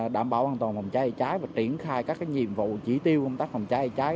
đảm bảo an toàn phòng cháy cháy và triển khai các nhiệm vụ chỉ tiêu công tác phòng cháy cháy